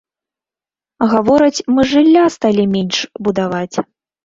Гавораць, мы жылля сталі менш будаваць.